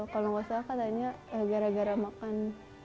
kalau nggak salah katanya gara gara makan